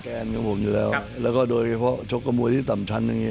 แนนกับผมอยู่แล้วแล้วก็โดยเฉพาะชกกระมวยที่ต่ำชั้นอย่างนี้